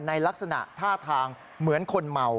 ลักษณะท่าทางเหมือนคนเมา